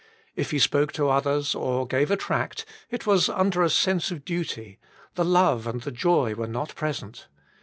If he spoke to others, or gave a tract, it was under a sense of duty : the love and the joy were not present.